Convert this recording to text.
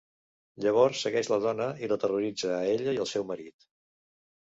Llavors segueix la dona i la terroritza a ella i al seu marit.